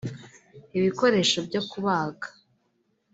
ibikoresho byo kubaga